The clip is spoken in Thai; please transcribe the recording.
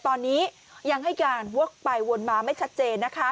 ตอนนี้ยังให้การวกไปวนมาไม่ชัดเจนนะคะ